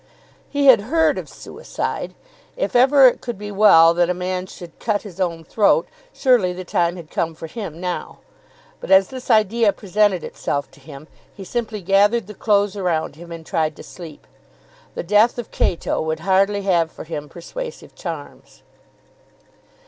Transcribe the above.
He had heard of suicide. If ever it could be well that a man should cut his own throat, surely the time had come for him now. But as this idea presented itself to him he simply gathered the clothes around him and tried to sleep. The death of Cato would hardly have for him persuasive charms.